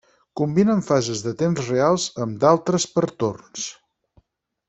Combinen fases de temps real amb d'altres per torns.